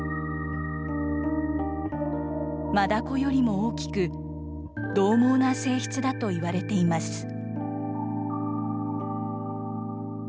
マダコよりも大きく、どう猛な性質だといわれています。